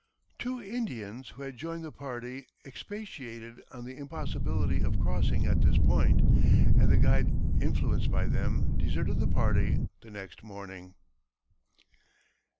Two Indians who had joined the party expatiated on the impossibility of crossing at this point, and the guide, influenced by them, deserted the party the next morning.